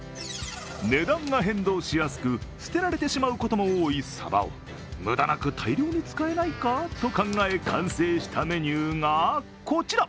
値段が変動しやすく、捨てられてしまうことも多いサバを無駄なく大量に使えないかと考え完成したメニューがこちら。